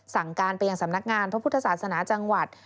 สั่งการไปยังสำนักงานพระพุทธศาสนาจังหวัด